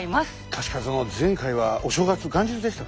確かその前回はお正月元日でしたかね。